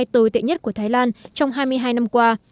tồi tệ nhất của thái lan trong hai mươi hai năm qua